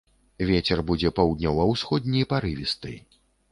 Вецер будзе паўднёва-ўсходні парывісты.